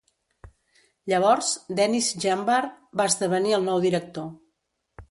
Llavors, Denis Jeambar va esdevenir el nou director.